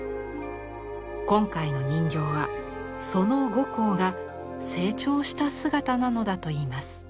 今回の人形はその呉公が成長した姿なのだといいます。